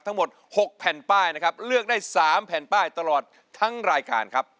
ทั้งหมด๖แผ่นป้ายนะครับเลือกได้๓แผ่นป้ายตลอดทั้งรายการครับ